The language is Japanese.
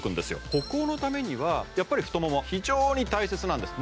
歩行にはやっぱり太ももは非常に大切なんです。